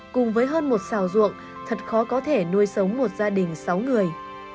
cùng với hơn một xào ruộng thật khó có thể nuôi sống một gia đình sáu người